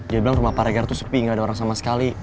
dia bilang rumah paregar itu sepi gak ada orang sama sekali